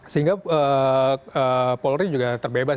sehingga polri juga terbebas